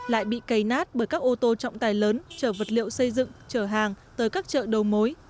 lại bị cầy nát bởi các ô tô trọng tài lớn chở vật liệu xây dựng trở hàng tới các chợ đầu mối